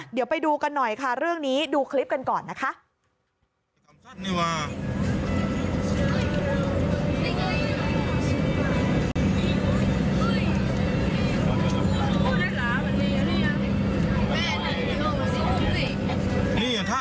เดี๋ยวไปดูกันหน่อยค่ะเรื่องนี้ดูคลิปกันก่อนนะคะ